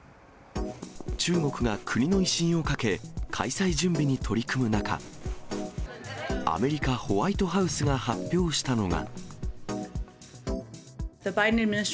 中国が国の威信をかけ、開催準備に取り組む中、アメリカ・ホワイトハウスが発表したのが。